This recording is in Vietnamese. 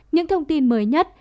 những thông tin mới nhất